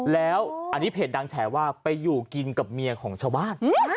แล้วอันนี้เพจดังแฉว่าไปอยู่กินกับเมียของชาวบ้าน